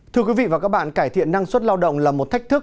thưa quý vị và các bạn cải thiện năng suất lao động là một thách thức